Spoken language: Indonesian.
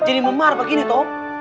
jadi memar apa gini toh